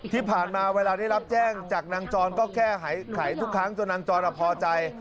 ที่ผ่านมาเวลาได้รับแจ้งจากนางจรก็แก้ไขทุกครั้งจนนางจรพอใจ